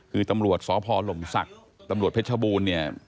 คือตำรวจสพหลมศักดิ์ตำรวจเพชรบูรณ์เนี่ย